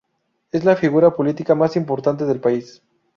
Es la figura política más importante del país.